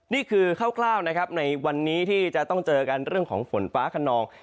นี่คือคร่าวนะครับในวันนี้ที่จะต้องเจอกันเรื่องของฝนฟ้าขนอง